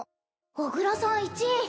小倉さん１位！